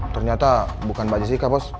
ternyata bukan mbak jessica pos